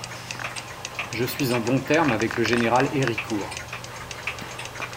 Je suis en bons termes avec le général Héricourt.